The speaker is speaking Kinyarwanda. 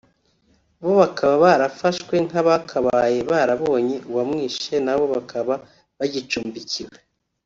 bo bakaba barafashwe nk’abakabaye barabonye uwamwishe na bo bakaba bagicumbikiwe